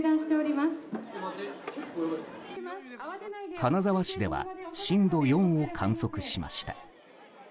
金沢市では震度４を観測しました。